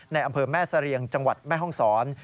อำเภอแม่เสรียงจังหวัดแม่ห้องศร